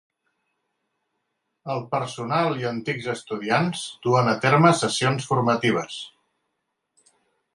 El personal i antics estudiants duen a terme sessions formatives.